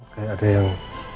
kayak ada yang